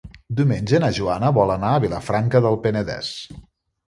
Diumenge na Joana vol anar a Vilafranca del Penedès.